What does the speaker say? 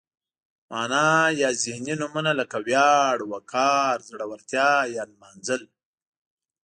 معنا یا ذهني نومونه لکه ویاړ، وقار، زړورتیا یا نمانځل.